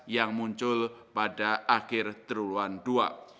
yang muncul pada akhir teruluan ii